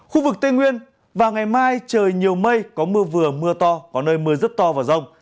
khu vực tây nguyên và ngày mai trời nhiều mây có mưa vừa mưa to có nơi mưa rất to và rông